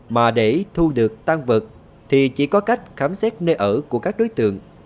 mà để thu được tan vật thì chỉ có cách khám xét nơi ở